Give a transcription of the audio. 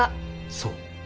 そう。